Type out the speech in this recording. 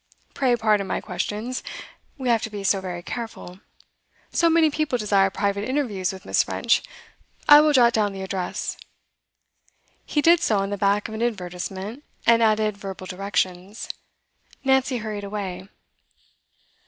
Pray pardon my questions; we have to be so very careful. So many people desire private interviews with Miss. French. I will jot down the address.' He did so on the back of an advertisement, and added verbal directions. Nancy hurried away.